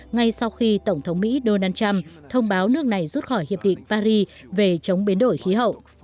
ngay sau khi tổng thống mỹ donald trump thông báo nước này rút khỏi hiệp định paris về chống biến đổi khí hậu